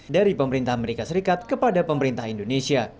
dari pemerintah amerika serikat kepada pemerintah indonesia